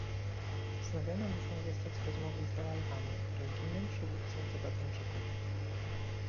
Wznowione muszą zostać rozmowy z Dalai Lamą, religijnym przywódcą Tybetańczyków